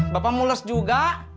bapak mules juga